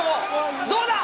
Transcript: どうだ？